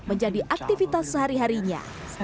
menjadi aktivitas sehari harinya